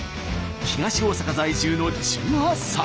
東大阪在住の１８歳。